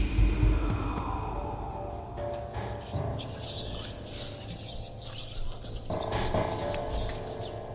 terima kasih ya anak anak kalian sudah memberi semangat buat mbah